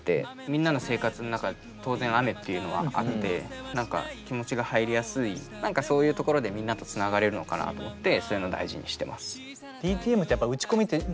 みんなの生活の中当然雨っていうのはあって何か気持ちが入りやすい何かそういうところでみんなとつながれるのかなと思ってそういうの大事にしてます。